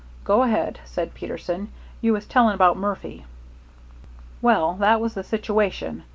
"Go ahead," said Peterson; "you was telling about Murphy." "Well, that was the situation.